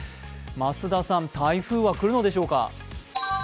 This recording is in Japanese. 増田さん、台風は来るのでしょうか？